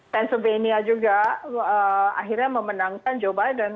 penzovania juga akhirnya memenangkan joe biden